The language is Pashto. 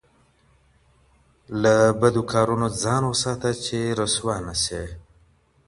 له بدو کارونو ځان وساته چې رسوا نه شې.